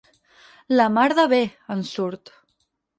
La mar de bé, ens surt.